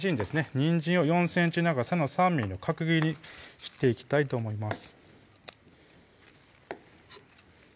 にんじんを４ｃｍ長さの３ｍｍの角切りに切っていきたいと思います